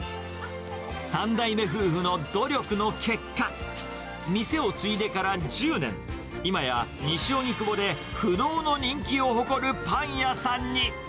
３代目夫婦の努力の結果、店を継いでから１０年、今や西荻窪で不動の人気を誇るパン屋さんに。